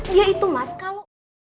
dia itu mas kalau